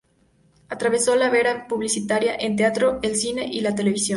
Atravesó la vera publicitaria, el teatro, el cine y la televisión.